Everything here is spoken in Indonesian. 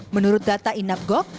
menurut data ainapcog